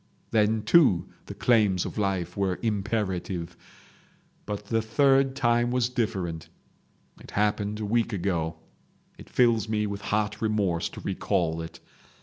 Then, too, the claims of life were imperative. But the third time was different; it happened a week ago. It fills me with hot remorse to recall it.